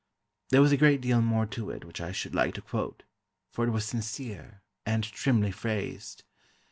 There was a great deal more to it which I should like to quote, for it was sincere, and trimly phrased.